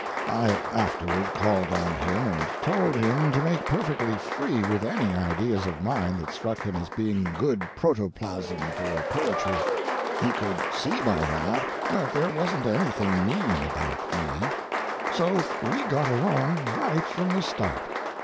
I afterward called on him and told him to make perfectly free with any ideas of mine that struck him as being good protoplasm for poetry. He could see by that that there wasn't anything mean about me; so we got along right from the start.